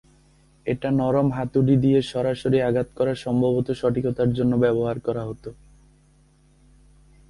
একটা নরম হাতুড়ি দিয়ে সরাসরি আঘাত করা সম্ভবত সঠিকতার জন্য ব্যবহার করা হতো।